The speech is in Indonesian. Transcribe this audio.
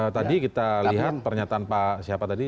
tadi kita lihat pernyataan pak siapa tadi